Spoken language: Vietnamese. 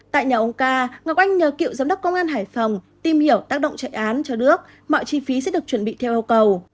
tại nhà ông ca ngọc oanh nhờ cựu giám đốc công an hải phòng tìm hiểu tác động chạy án cho đức mọi chi phí sẽ được chuẩn bị theo yêu cầu